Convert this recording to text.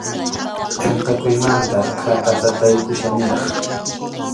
Pʼinqakuymanta khatatataykuchkaniraq.